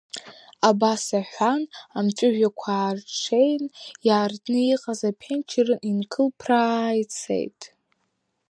Абас аҳәан, амҵәыжәҩақәа аарҽеин, иаартны иҟаз аԥенџьыр инкылԥраа ицеит.